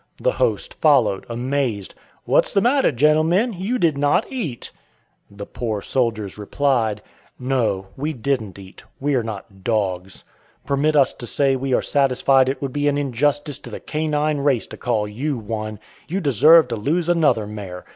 The "host" followed, amazed. "What's the matter, gentlemen? You did not eat." The "poor soldiers" replied: "No, we didn't eat; we are not dogs. Permit us to say we are satisfied it would be an injustice to the canine race to call you one. You deserve to lose another mare.